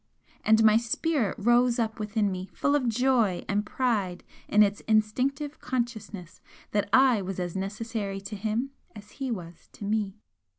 And my spirit rose up within me full of joy and pride in its instinctive consciousness that I was as necessary to him as he was to me.